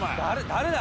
誰だ？